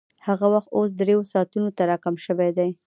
هغه وخت اوس درېیو ساعتونو ته راکم شوی دی